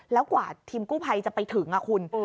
แล้วกว่าทีมกู้ภัยจะไปถึงคุณ